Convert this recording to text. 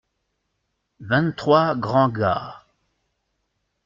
Vingt-trois grands gars.